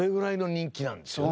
そうなんですよ。